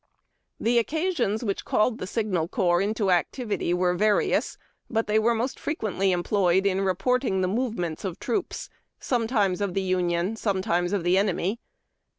The occasions which called the Signal Corps into activity were various, but they were most frequently employed in reporting the movements of troops, sometimes of the Union, sometimes of the enemy.